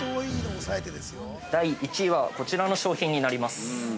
◆第１位はこちらの商品になります。